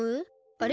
あれ？